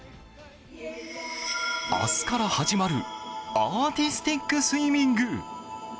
明日から始まるアーティスティックスイミング。